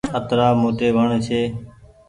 اترآ موٽي وڻ ڇي